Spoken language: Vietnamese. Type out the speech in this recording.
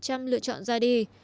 đối với hai lựa chọn ra đi